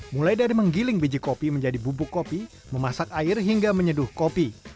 mulai dari menggiling biji kopi menjadi bubuk kopi memasak air hingga menyeduh kopi